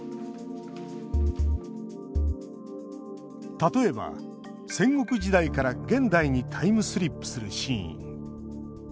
例えば、戦国時代から現代にタイムスリップするシーン。